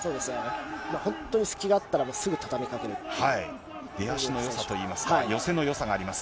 本当に隙があったらすぐ畳み出足のよさといいますか、寄せのよさがあります。